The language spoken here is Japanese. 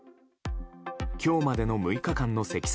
今日までの６日間の積算